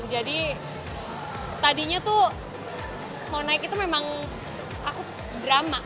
jadi tadinya tuh mau naik itu memang aku drama